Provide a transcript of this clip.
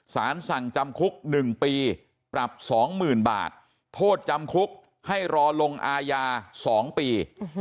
สารสั่งจำคุก๑ปีปรับ๒๐๐๐บาทโทษจำคุกให้รอลงอาญา๒ปี